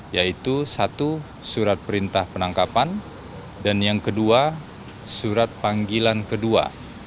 yaitu satu surat perintah penangkapan dan yang kedua surat panggilan kedua